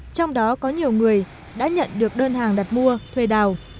trong đó có nhiều người đã nhận được đơn hàng đặt mua thuê đào